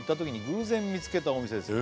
「偶然見つけたお店です」